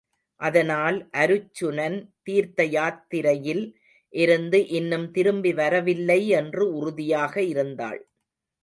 அதனால் அருச்சுனன் தீர்த்த யாத்திரையில் இருந்து இன்னும் திரும்பி வரவில்லை என்று உறுதியாக இருந்தாள்.